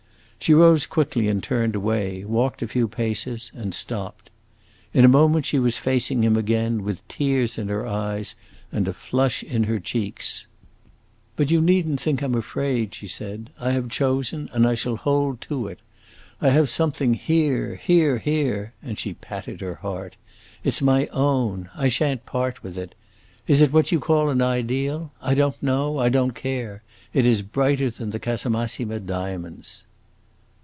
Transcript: She rose quickly and turned away, walked a few paces, and stopped. In a moment she was facing him again, with tears in her eyes and a flush in her cheeks. "But you need n't think I 'm afraid!" she said. "I have chosen, and I shall hold to it. I have something here, here, here!" and she patted her heart. "It 's my own. I shan't part with it. Is it what you call an ideal? I don't know; I don't care! It is brighter than the Casamassima diamonds!"